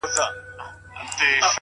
نور به وه ميني ته شعرونه ليكلو _